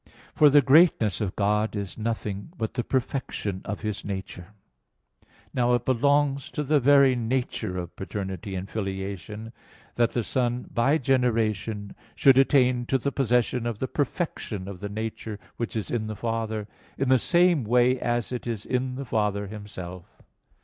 For the greatness of God is nothing but the perfection of His nature. Now it belongs to the very nature of paternity and filiation that the Son by generation should attain to the possession of the perfection of the nature which is in the Father, in the same way as it is in the Father Himself.